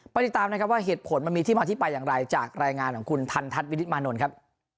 ติดตามนะครับว่าเหตุผลมันมีที่มาที่ไปอย่างไรจากรายงานของคุณทันทัศน์วินิตมานนท์ครับ